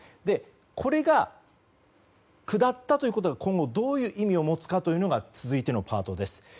これが下ったということが今後、どんな意味を持つのかが続いてのパートです。